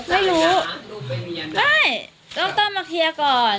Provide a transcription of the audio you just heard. ไม่รู้ไม่ต้องต้องมาเคลียร์ก่อน